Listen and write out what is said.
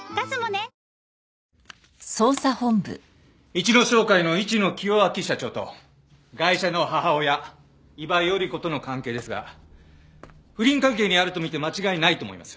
市野商会の市野清明社長とガイシャの母親伊庭頼子との関係ですが不倫関係にあると見て間違いないと思います。